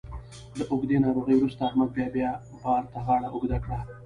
له اوږدې ناروغۍ وروسته احمد بیا بار ته غاړه اوږده کړه.